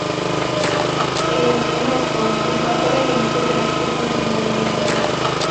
El emblema Scout incorpora elementos del Escudo nacional de Nicaragua.